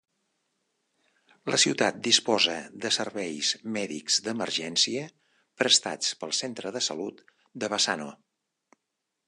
La ciutat disposa de serveis mèdics d'emergència prestats pel centre de salut de Bassano.